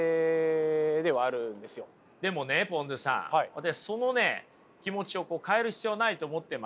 私その気持ちを変える必要はないと思ってまして。